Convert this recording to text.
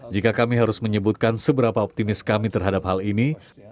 jika kami harus menyebutkan seberapa optimis kami terhadap hal ini